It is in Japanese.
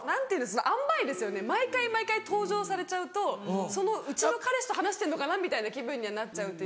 あんばいですよね毎回毎回登場されちゃうとそのうちの彼氏と話してるのかなみたいな気分にはなっちゃう。